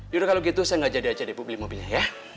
yaudah kalau gitu saya gak jadi jadi bu beli mobilnya ya